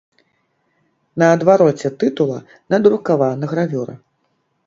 На адвароце тытула надрукавана гравюра.